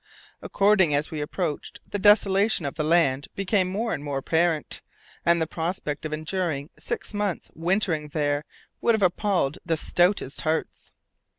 According as we approached, the desolation of the land became more and more apparent, and the prospect of enduring six months' wintering there would have appalled the stoutest hearts.